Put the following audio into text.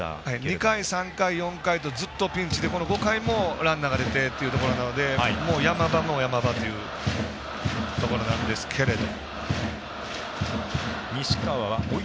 ２回、３回、４回とずっとピンチで５回もランナーが出てっていうところなので山場も山場というところなんですけど。